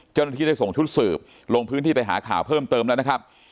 เจ้าหน้าที่ได้ส่งชุดสืบลงพื้นที่ไปหาข่าวเพิ่มเติมแล้วนะครับ